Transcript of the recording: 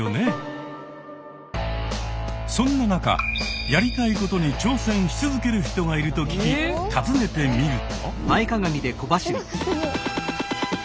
そんな中やりたいことに挑戦し続ける人がいると聞き訪ねてみると。